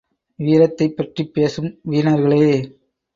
வீரத்தைப் பற்றிப் பேசும் வீணர்களே!